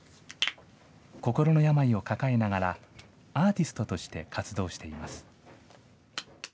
心の病を抱えながら、アーティストとして活動しています。